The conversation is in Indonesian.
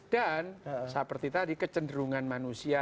dan seperti tadi kecenderungan manusia